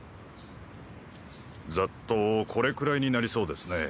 ざっとこれくらいになりそうですね。